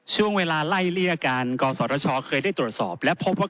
ช่วงเวลาไล่เลี่ยการกศชเคยได้ตรวจสอบและพบว่า